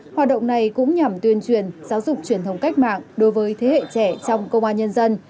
hoạt động này cũng nhằm tuyên truyền giáo dục truyền thống cách mạng đối với thế hệ trẻ trong công an nhân dân